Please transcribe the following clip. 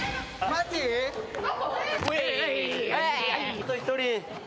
あと１人！